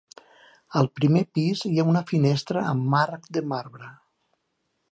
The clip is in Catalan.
Al primer pis hi ha una finestra amb marc de marbre.